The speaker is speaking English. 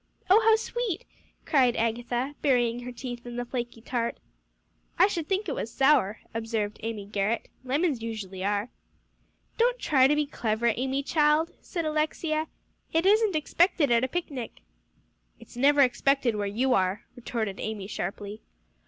"Oh, how sweet!" cried Agatha, burying her teeth in the flaky tart. "I should think it was sour," observed Amy Garrett; "lemons usually are." "Don't try to be clever, Amy child," said Alexia, "it isn't expected at a picnic." "It's never expected where you are," retorted Amy sharply.